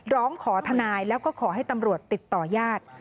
ร้องขอทนายแล้วก็ขอให้ตำรวจติดต่อญาติ